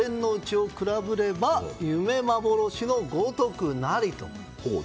天のうちを比ぶれば夢幻のごとくなり」と。